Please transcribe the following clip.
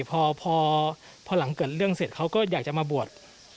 พอหลังเกิดเรื่องเสร็จเขาก็อยากจะมาบวช